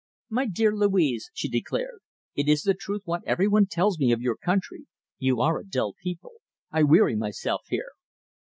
"My dear Louise," she declared, "it is the truth what every one tells me of your country. You are a dull people. I weary myself here."